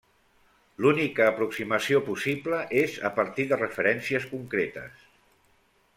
L'única aproximació possible és a partir de referències concretes.